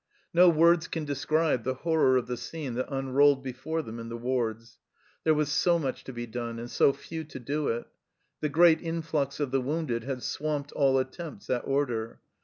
No words can describe the horror of the scene that unrolled before them in the wards. There was so much to be done and so few to do it. The great influx of the wounded had swamped all attempts at order.